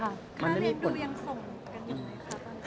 ค่าเลี้ยงดูยังส่งกันอยู่ไหนค่ะ